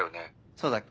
そうだっけ？